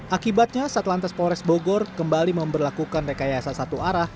akibatnya satlantas polres bogor kembali memperlakukan rekayasa satu arah